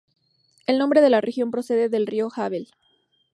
El nombre de la región procede del río Havel.